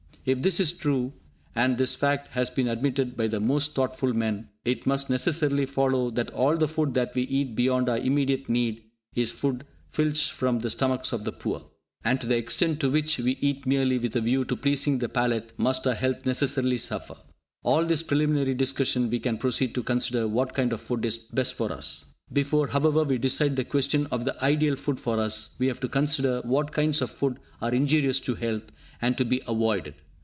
If this is true (and this fact has been admitted by the most thoughtful men) it must necessarily follow that all the food that we eat beyond our immediate need is food filched from the stomachs of the poor. And to the extent to which we eat merely with a view to pleasing the palate must our health necessarily suffer. After this preliminary discussion, we can proceed to consider what kind of food is best for us. Before, however, we decide the question of the ideal food for us, we have to consider what kinds of food are injurious to health, and to be avoided.